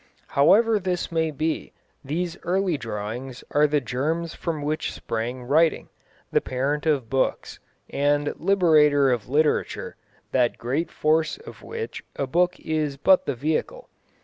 However this may be, these early drawings are the germs from which sprang writing, the parent of books, and liberator of literature, that great force of which a book is but the vehicle.